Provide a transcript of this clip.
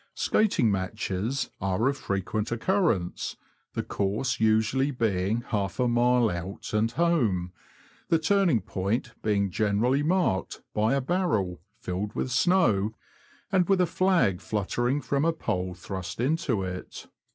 Skating matches are of frequent occurrence, the course usually being half a mile out and home, the turning point being generally marked by a barrel, filled with snow, and with a flag fluttering from a pole thrust into it.